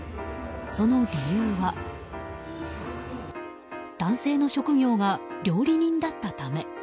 その理由は男性の職業が料理人だったため。